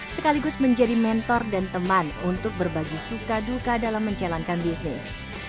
sekaligus menjadi mentor dan teman untuk berbagi suka duka dalam menjalankan bisnis